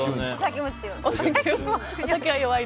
お酒も強い。